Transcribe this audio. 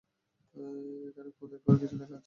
এখানে খোদাই করে কিছু লেখা আছে।